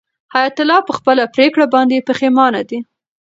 حیات الله په خپله پرېکړه باندې پښېمانه دی.